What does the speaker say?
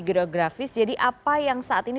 geografis jadi apa yang saat ini